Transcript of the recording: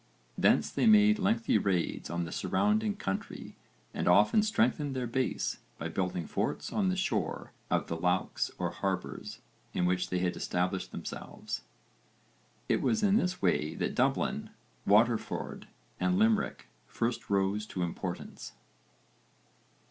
Thence they made lengthy raids on the surrounding country and often strengthened their base by building forts on the shores of the loughs or harbours in which they had established themselves. It was in this way that Dublin, Waterford and Limerick first rose to importance.